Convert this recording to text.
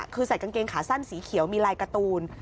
คือใส่กางเกงขาสั้นสีเขียวมีลายการ์ตูน